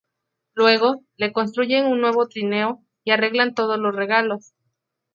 Luego, le construyen un nuevo trineo, y arreglan todos los regalos.